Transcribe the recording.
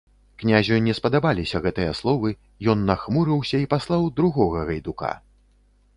Князю не спадабаліся гэтыя словы, ён нахмурыўся і паслаў другога гайдука.